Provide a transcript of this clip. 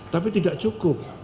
tapi tidak cukup